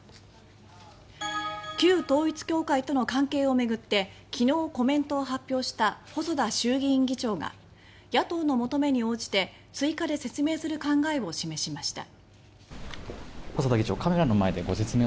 旧統一教会との関係を巡って昨日コメントを発表した細田衆議院議長が野党の求めに応じて追加で説明する考えを示しました。